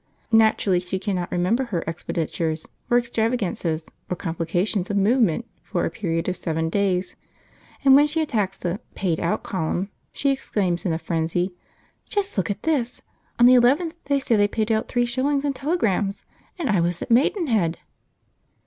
Naturally she cannot remember her expenditures, or extravagances, or complications of movement for a period of seven days; and when she attacks the Paid Out column she exclaims in a frenzy, 'Just look at this! On the 11th they say they paid out three shillings in telegrams, and I was at Maidenhead!'